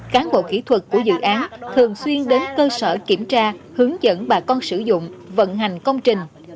cán bộ kỹ thuật của dự án thường xuyên đến cơ sở kiểm tra hướng dẫn bà con sử dụng vận hành công trình